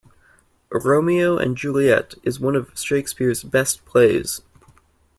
Romeo and Juliet is one of Shakespeare’s best plays